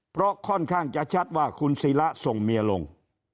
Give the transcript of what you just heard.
เพราะค่อนข้างจะชัดว่าคุณศิระส่งเมียลง